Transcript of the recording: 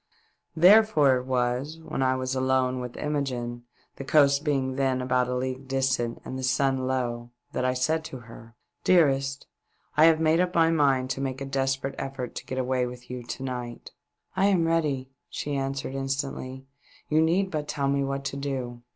Therefore it was, when I was alone with Imogene, the coast being then about a league distant and the sun low, that I said to her " Dearest, I have made up my mind to make a desperate effort to get aweiy with you to niofht." WE BRING UP IN A BAY. 465 " I am ready," she answered, instantly : "you need but tell me what to do."